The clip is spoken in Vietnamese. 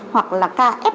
hoặc là ca f một